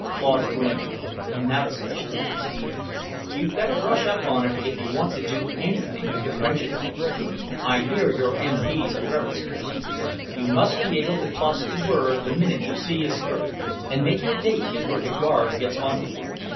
Claude grinned. "Not especially." "You'd better brush up on it if you want to do anything with French girls. I hear your M.P.'s are very strict. You must be able to toss the word the minute you see a skirt, and make your date before the guard gets onto you."